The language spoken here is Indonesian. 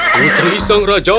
putri sang raja